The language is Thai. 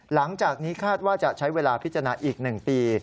หลังจากนี้คาดว่าจะใช้เวลาพิจารณาอีก๑ปี